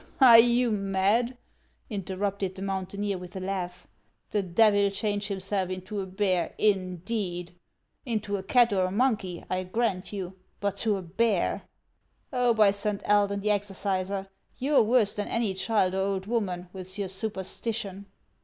" Are you mad ?" interrupted the mountaineer, with a laugh ;" the Devil change himself into a bear, indeed ! Into a cat or a monkey, I grant you ; but to a bear ! Oh, by Saint Eldon the exorciser, you 're worse than any child or old woman, with your superstition